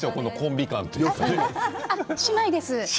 姉妹です。